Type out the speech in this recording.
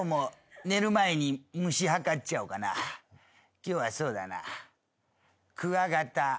今日はそうだな。